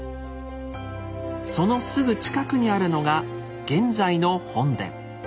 そのすぐ近くにあるのが現在の本殿。